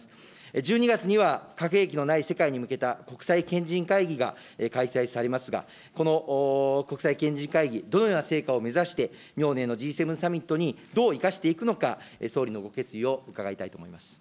１２月には、核兵器のない世界に向けた国際賢人会議が開催されますが、この国際賢人会議、どのような成果を目指して、明年のＧ７サミットにどう生かしていくのか、総理のご決意を伺いたいと思います。